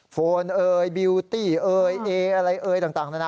โฟนเอยบิวตี้เอ่ยเออะไรเอ่ยต่างนานา